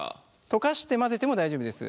溶かして混ぜても大丈夫です。